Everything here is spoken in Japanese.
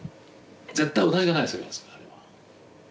絶対同じじゃないですよあれは。